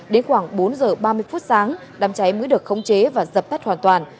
đến khoảng bốn giờ ba mươi phút sáng đám cháy mới được khống chế và dập tắt hoàn toàn